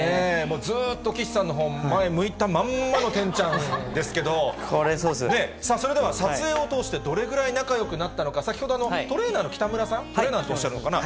ずっと岸さんのほう、前向いたまんまのてんちゃんですけど、それでは、撮影を通して、どれぐらい仲よくなったのか、先ほどトレーナーの北村さん、トレーナーとおっしゃるのかな？